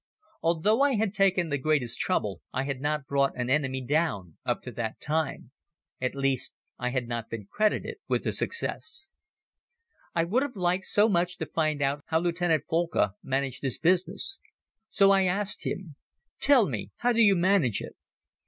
Although I had taken the greatest trouble, I had not brought an enemy down up to that time. At least I had not been credited with a success. I would have liked so much to find out how Lieutenant Boelcke managed his business. So I asked him: "Tell me, how do you manage it?"